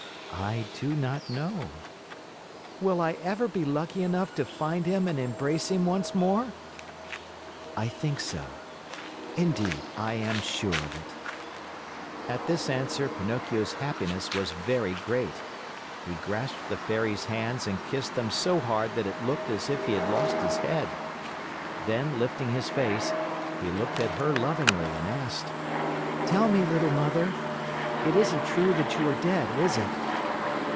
"I do not know." "Will I ever be lucky enough to find him and embrace him once more?" "I think so. Indeed, I am sure of it." At this answer, Pinocchio's happiness was very great. He grasped the Fairy's hands and kissed them so hard that it looked as if he had lost his head. Then lifting his face, he looked at her lovingly and asked: "Tell me, little Mother, it isn't true that you are dead, is it?"